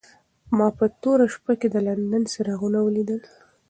ما په توره شپه کې د لندن څراغونه ولیدل.